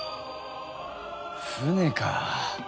船か